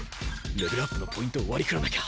レベルアップのポイント割り振らなきゃ。